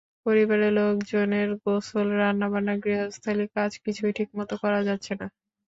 পরিবারের লোকজনের গোসল, রান্নাবান্না, গৃহস্থালি কাজ কিছুই ঠিকমতো করা যাচ্ছে না।